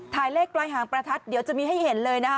ถ่ายเลขปลายหางประทัดเดี๋ยวจะมีให้เห็นเลยนะคะ